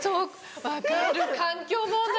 分かる環境問題